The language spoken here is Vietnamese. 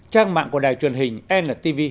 trang mạng của đài truyền hình ntv